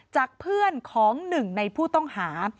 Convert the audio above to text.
จากเพื่อนของหนึ่งในผู้ต้องหา